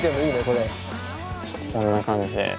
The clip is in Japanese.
こんな感じで。